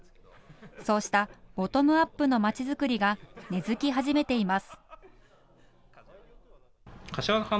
そうしたボトムアップのまちづくりが根づき始めています。